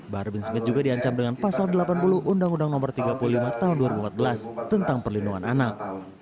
bahar bin smith juga diancam dengan pasal delapan puluh undang undang no tiga puluh lima tahun dua ribu empat belas tentang perlindungan anak